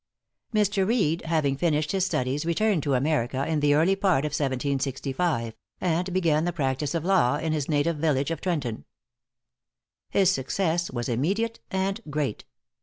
Mr. Reed, having finished his studies, returned to America, in the early part of 1765, and began the practice of the law in his native village of Trenton. His success was immediate and great.